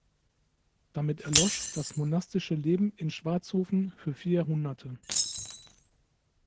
Damit erlosch das monastische Leben in Schwarzhofen für vier Jahrhunderte.